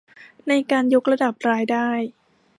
ในการยกระดับรายได้